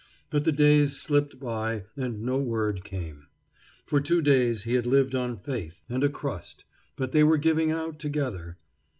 But the days slipped by and no word came. For two days he had lived on faith and a crust, but they were giving out together.